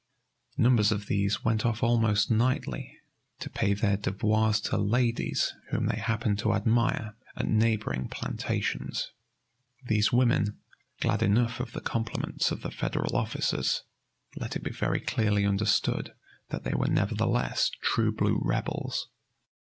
Numbers of these went off almost nightly, to pay their devoirs to ladies whom they happened to admire at neighboring plantations. These women, glad enough of the compliments of the Federal officers, let it be very clearly understood that they were nevertheless true blue Rebels.